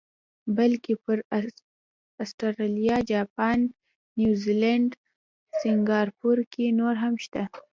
بلکې پر اسټرالیا، جاپان، نیوزیلینډ، سنګاپور کې نور هم شته.